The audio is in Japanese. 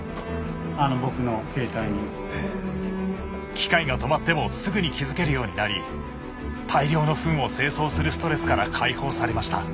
機械が止まってもすぐに気付けるようになり大量のふんを清掃するストレスから解放されました。